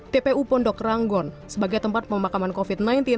tpu pondok ranggon sebagai tempat pemakaman covid sembilan belas